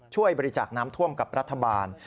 ช่วยบริจาคน้ำท่วมกับรัฐบาล